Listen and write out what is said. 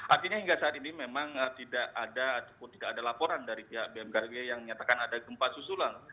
artinya hingga saat ini memang tidak ada laporan dari pihak bnkk yang menyatakan ada gempa susulang